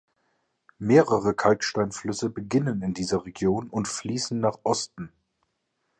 Mehrere Kalksteinflüsse beginnen in dieser Region und fließen nach Osten.